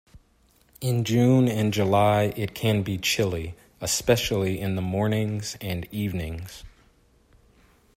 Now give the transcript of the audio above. In June and July it can be chilly, especially in the mornings and evenings.